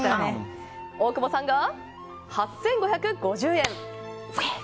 大久保さんが８５５０円。